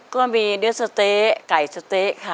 ก็มีเนื้อสะเต๊ะไก่สะเต๊ะค่ะ